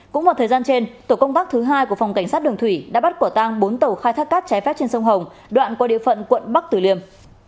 cũng vào thời gian trên tổ công tác thứ hai của phòng cảnh sát đường thủy đã bắt quả tang bốn tàu khai thác cát trái phép trên sông hồng đoạn qua địa phận quận bắc tử liêm